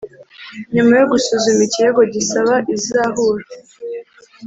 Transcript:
Nyuma yo gusuzuma ikirego gisaba izahura